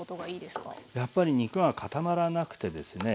やっぱり肉が固まらなくてですね